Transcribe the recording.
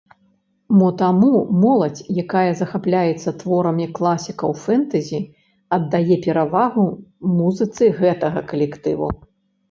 Мо таму моладзь, якая захапляецца творамі класікаў фэнтэзі, аддае перавагу музыцы гэтага калектыву.